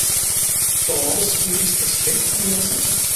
Tādas mīkstas ķepiņas!